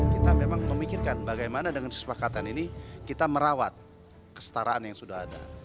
kita memang memikirkan bagaimana dengan kesepakatan ini kita merawat kestaraan yang sudah ada